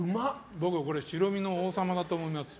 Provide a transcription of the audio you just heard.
僕はこれ、白身の王様だと思います。